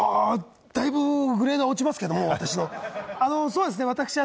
だいぶグレード落ちますけれども、私は。